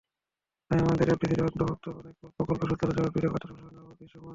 তাই আমাদের এডিপিতে অন্তর্ভুক্ত অনেক প্রকল্পেই স্বচ্ছতা-জবাবদিহি তথা সুশাসনের অভাব দৃশ্যমান।